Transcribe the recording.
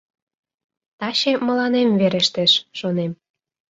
«Таче мыланем верештеш», — шонем.